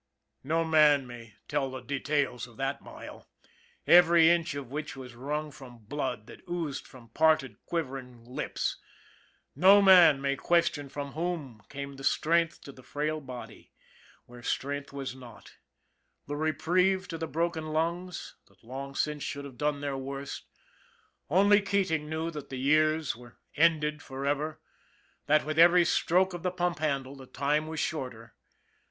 No man may tell the details of that mile, every inch of which was wrung from blood that oozed from parted, quivering lips; no man may question from Whom came the strength to the frail body, where strength was not ; the reprieve to the broken lungs, that long since should have done their worst only Keating knew that the years were ended forever, that with every stroke of the pump handle the time was shorter.